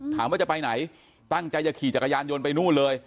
ถามว่าจะไปไหนตั้งใจจะขี่จักรยานยนต์ไปนู่นเลย